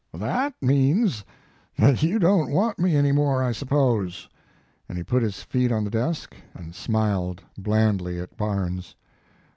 "That means that you don t want me any more, I suppose?" and he put his feet on the desk and smiled blandly at Barnes.